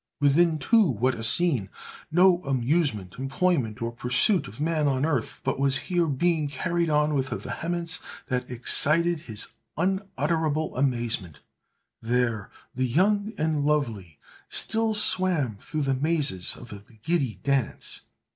Within, too, what a scene! No amusement, employment, or pursuit of man on earth, but was here being carried on with a vehemence that excited his unutterable amazement. "There the young and lovely still swam through the mazes of the giddy dance!